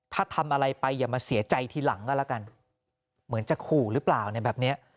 ถ้าทำอะไรไปอย่ามาเสียใจทีหลังก็แล้วกันเหมือนจะขู่หรือเปล่าเนี่ยแบบเนี้ย